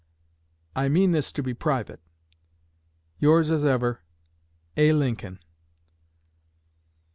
(I mean this to be private.) Yours as ever, A. LINCOLN.